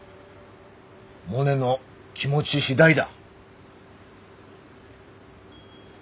モネの気持ち次第だ。